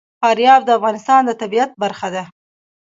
فاریاب د افغانستان د طبیعت برخه ده.